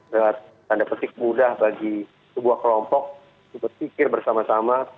dengan tanda petik mudah bagi sebuah kelompok berpikir bersama sama